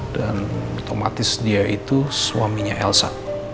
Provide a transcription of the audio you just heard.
dan otomatis dia itu suaminya elsa